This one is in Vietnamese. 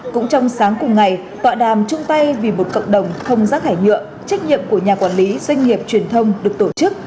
cũng trong sáng cùng ngày tọa đàm trung tay vì một cộng đồng không rác thải nhựa trách nhiệm của nhà quản lý doanh nghiệp truyền thông được tổ chức